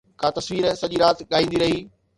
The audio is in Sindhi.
ڪا تصوير سڄي رات ڳائيندي رهي